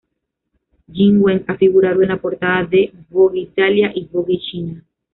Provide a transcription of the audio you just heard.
Jing Wen ha figurado en la portada de "Vogue Italia" y "Vogue China".